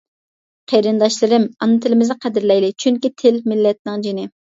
قېرىنداشلىرىم! ئانا تىلىمىزنى قەدىرلەيلى! چۈنكى تىل مىللەتنىڭ جېنى!